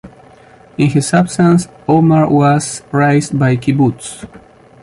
In his absence, Omer was raised by Kibbutz.